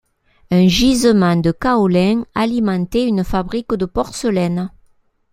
Un gisement de kaolin alimentait une fabrique de porcelaine.